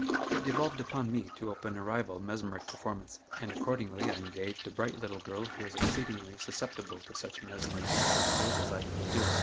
It devolved upon me to open a rival mesmeric performance, and accordingly I engaged a bright little girl who was exceedingly susceptible to such mesmeric influences as I could induce.